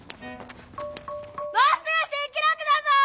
もうすぐ新記ろくだぞ！